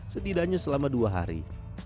setidaknya selama dua hari